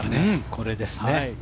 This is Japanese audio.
これですね。